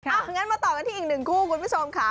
อย่างนั้นมาต่อกันที่อีกหนึ่งคู่คุณผู้ชมค่ะ